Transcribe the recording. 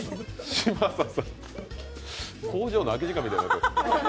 嶋佐さん、工場の空き時間みたいになってる。